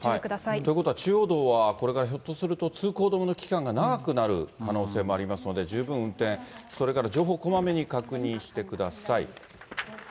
ということは、中央道はこれからひょっとすると通行止めの期間が長くなる可能性もありますので、十分運転、それから情報こまめに確認してください。